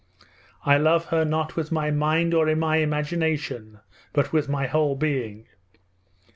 I love her not with my mind or my imagination, but with my whole being.